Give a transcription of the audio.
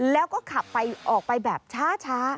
แล้วก็ขับไปออกไปแบบช้า